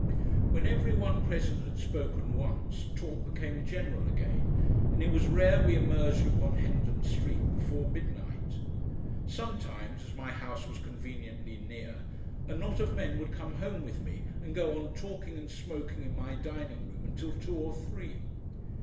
When every one present had spoken once talk became general again, and it was rare we emerged upon Hendon Street before midnight. Sometimes, as my house was conveniently near, a knot of men would come home with me and go on talking and smoking in my dining room until two or three.